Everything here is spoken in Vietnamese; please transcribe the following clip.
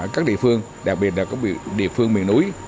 các địa phương đặc biệt là các địa phương miền núi